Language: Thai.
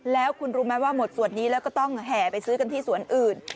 แล้วคุณรู้ไหมว่าหมดสวดนี้แล้วก็ต้องแห่ไปซื้อกันที่สวนอื่น